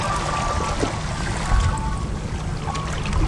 ফিনল্যান্ডে থাকতে থাকতে ঠান্ডা সহ্য ক্ষমতা তাদের তুলনায় আমার বেশি ছিল।